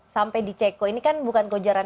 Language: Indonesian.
sampai di ceko ini kan bukan kejaran